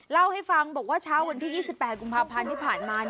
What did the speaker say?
เล่าให้ฟังบอกว่าเช้าวันที่๒๘กุมภาพันธ์ที่ผ่านมา